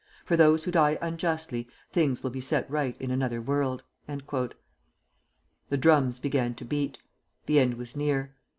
For those who die unjustly, things will be set right in another world." The drums began to beat. The end was near.